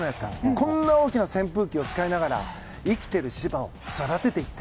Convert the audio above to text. こんな大きな扇風機を使いながら生きている芝を育てていった。